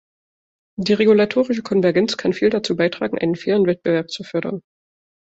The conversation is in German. Die regulatorische Konvergenz kann viel dazu beitragen, einen fairen Wettbewerb zu fördern.